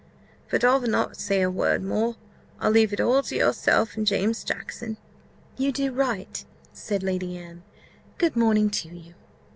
But I'll not say a word more; I'll leave it all to yourself and James Jackson." "You do right," said Lady Anne: "good morning to you!